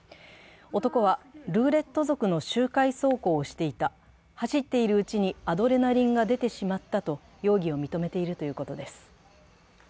男はルーレット族の周回走行をしていた、走っているうちにアドレナリンが出てしまったと容疑を認めているということです。